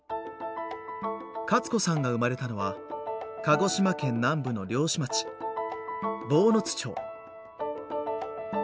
カツ子さんが生まれたのは鹿児島県南部の漁師町坊津町。